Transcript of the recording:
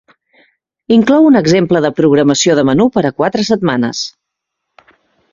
Inclou un exemple de programació de menú per a quatre setmanes.